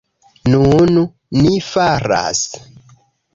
Nun, ni faras!